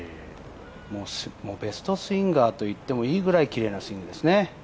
もうベストスインガーといっていいぐらいきれいなスイングですね。